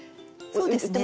そうですね。